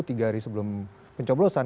tiga hari sebelum pencoblosan